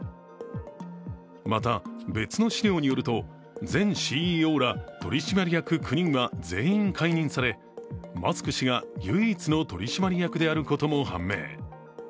また、別の資料によると前ＣＥＯら取締役９人は全員解任されマスク氏が唯一の取締役であることも判明。